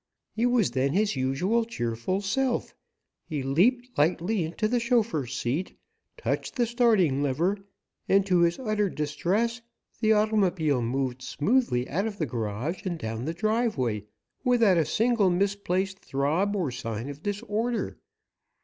He was then his usual, cheerful self. He leaped lightly into the chauffeur's seat, touched the starting lever, and, to his utter distress, the automobile moved smoothly out of the garage and down the driveway, without a single misplaced throb or sign of disorder.